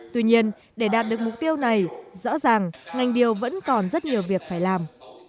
tuy nhiên để đạt được mục tiêu này rõ ràng ngành điều vẫn còn rất nhiều việc phải làm